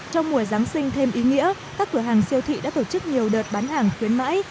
trong mùa giáng sinh thêm ý nghĩa các cửa hàng siêu thị đã tổ chức nhiều đợt bán hàng khuyến mãi